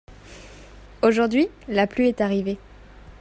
Aujourd’hui, la pluie est arrivée.